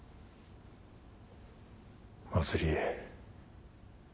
茉莉。